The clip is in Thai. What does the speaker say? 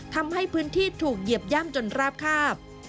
ทำให้พื้นที่ถูกเหยียบย่ำจนราบคาบ